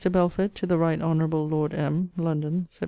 BELFORD, TO THE RIGHT HON. LORD M. LONDON, SEPT.